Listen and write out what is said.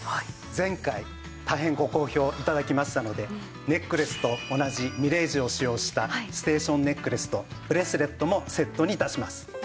前回大変ご好評頂きましたのでネックレスと同じみれい珠を使用したステーションネックレスとブレスレットもセットに致します。